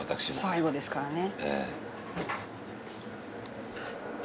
最後ですからね。